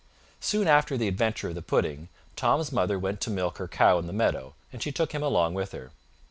Soon after the adventure of the pudding, Tom's mother went to milk her cow in the meadow, and she took him along with her.